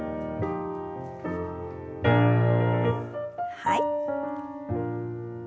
はい。